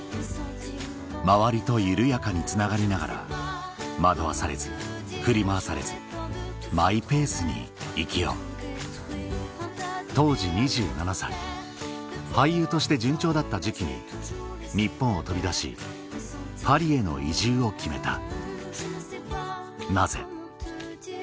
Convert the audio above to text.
周りと緩やかにつながりながら惑わされず振り回されずマイペースに生きよう当時２７歳俳優として順調だった時期に日本を飛び出しパリへの移住を決めたなぜ？